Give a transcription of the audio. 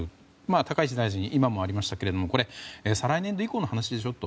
高市大臣、今もありましたが再来年度以降の話でしょと。